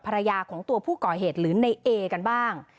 ภรรยาของตัวผู้ก่อเหตุหรือในเอกันบ้าง